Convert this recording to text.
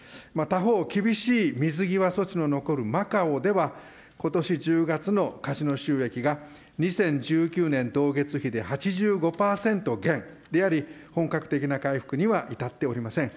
他方、厳しい水際措置の残るマカオではことし１０月のカジノ収益が２０１９年同月比で８５％減であり、本格的な回復には至っておりません。